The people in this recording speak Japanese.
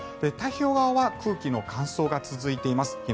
太平洋側は空気の乾燥が続いています。